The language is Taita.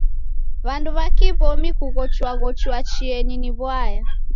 W'andu w'a kiw'omi kughochuaghochua chienyi ni w'aya.